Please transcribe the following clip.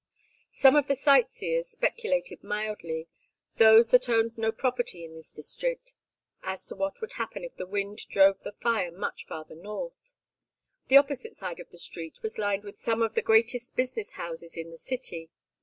Some of the sightseers speculated mildly those that owned no property in this district as to what would happen if the wind drove the fire much farther north. The opposite side of the street was lined with some of the greatest business houses in the city.